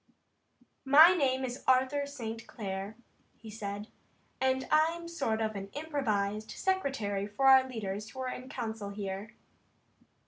"My name is Arthur St. Clair," he said, "and I'm a sort of improvised secretary for our leaders who are in council here."